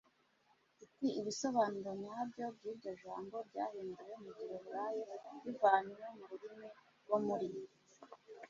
It Ibisobanuro nyabyo by iryo jambo ryahinduwe mu giheburayo rivanywe mu rurimi rwo muri